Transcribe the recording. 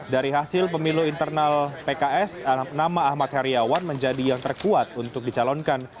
dari hasil pemilu internal pks nama ahmad heriawan menjadi yang terkuat untuk dicalonkan